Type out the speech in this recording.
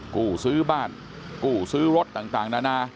กู้ซื้อบ้านกู้ซื้อรถต่างนานา